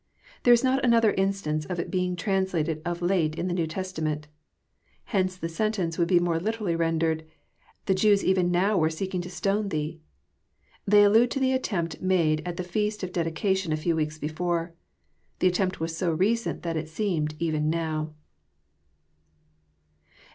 There Is not auother in<^tance of its being translated of late " in the New Testament. Hence the sentence would be more literally rendered, The Jews even now were seeking to stone Thee.*' They allade to the attempt made at the feast of dedication a few weeks before. The at tempt was so recent that it seemed <*even now."